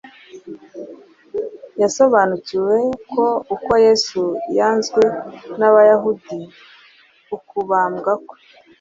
Yasobanukiwe ko uko Yesu yanzwe n’Abayahudi, ukubambwa kwe,